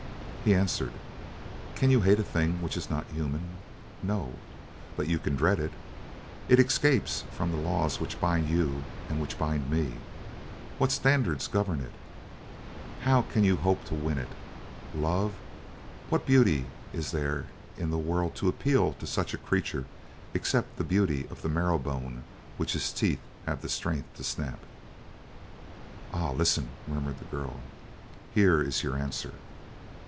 He answered: "Can you hate a thing which is not human? No, but you can dread it. It escapes from the laws which bind you and which bind me. What standards govern it? How can you hope to win it? Love? What beauty is there in the world to appeal to such a creature except the beauty of the marrow bone which his teeth have the strength to snap?" "Ah, listen!" murmured the girl. "Here is your answer!"